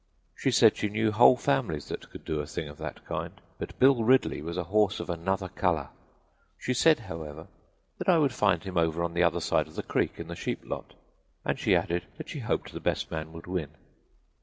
She said she knew whole families that could do a thing of that kind, but Bill Ridley was a horse of another color. She said, however, that I would find him over on the other side of the creek in the sheep lot; and she added that she hoped the best man would win.